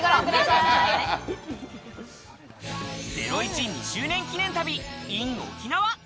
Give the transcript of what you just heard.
『ゼロイチ』２周年記念旅ＩＮ沖縄。